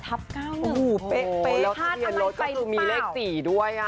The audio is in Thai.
แล้วทะเบียนรถก็คือมีเลข๔ด้วย